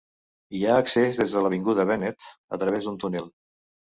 Hi ha accés des de l'avinguda Bennett a través d'un túnel.